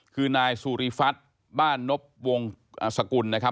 คือนายสุริฟัฐบ้านนบวงอสกุลนะครับ